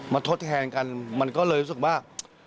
ทดแทนกันมันก็เลยรู้สึกว่า